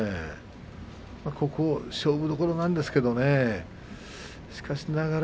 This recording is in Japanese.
ここは勝負どころなんですけれどね。